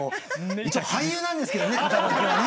一応俳優なんですけどね肩書はね。